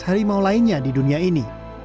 harimau lainnya di dunia ini